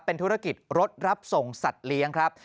เป็นธุรกิจรถรับส่งสัตว์เลี้ยงครับ